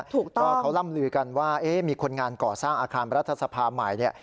ถูกต้องก็เขาล่ำลือกันว่ามีคนงานก่อสร้างอาคารรัฐสภาใหม่เนี่ย